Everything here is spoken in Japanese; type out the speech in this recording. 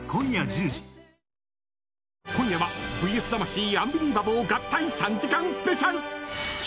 今夜は「ＶＳ魂×アンビリバボー合体３時間スペシャル」。